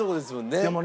でもね